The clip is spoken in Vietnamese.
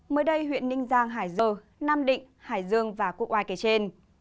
mới đây huyện ninh giang hải dương nam định hải dương và quốc hoa kể trên